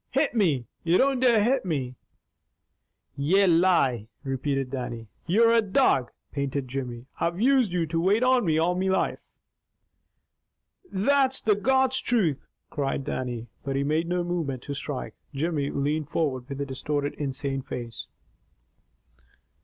Hit me! You don't dare hit me!" "Ye lie!" repeated Dannie. "You're a dog!" panted Jimmy. "I've used you to wait on me all me life!" "THAT'S the God's truth!" cried Dannie. But he made no movement to strike. Jimmy leaned forward with a distorted, insane face.